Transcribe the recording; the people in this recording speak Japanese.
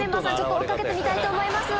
追い掛けてみたいと思います。